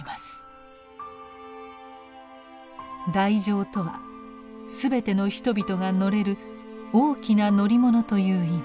大乗とは「すべての人々が乗れる大きな乗り物」という意味。